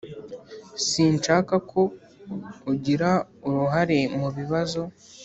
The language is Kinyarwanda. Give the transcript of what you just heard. sinshaka ko ugira uruhare mu bibazo.